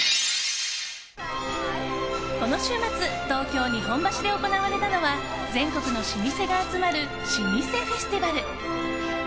この週末東京・日本橋で行われたのは全国の老舗が集まる老舗フェスティバル。